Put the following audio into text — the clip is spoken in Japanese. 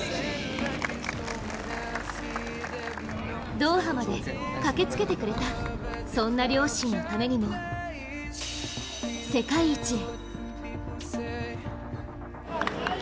ドーハまで駆けつけてくれたそんな両親のためにも世界一へ。